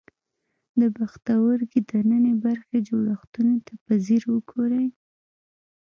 د پښتورګي دننۍ برخې جوړښتونو ته په ځیر وګورئ.